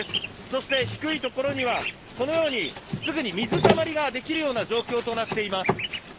そして、低いところにはこのようにすぐに水たまりができるような状況となっています。